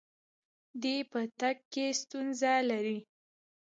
دی په تګ کې ستونزه لري.